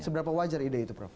seberapa wajar ide itu prof